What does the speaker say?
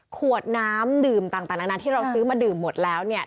ขวดน้ำดื่มต่างนานาที่เราซื้อมาดื่มหมดแล้วเนี่ย